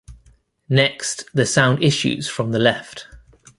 Next the sound issues from the left.